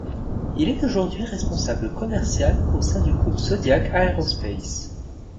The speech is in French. Il est aujourd'hui responsable commercial au sein du Groupe Zodiac Aerospace.